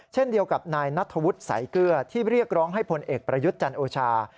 เช่นเดียวกับนายนัทธวุฒิสายเกลือที่เรียกร้องให้พลเอกประยุทธ์จันโอชา